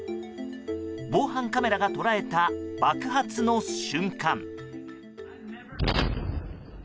防犯カメラが捉えた爆発の瞬間。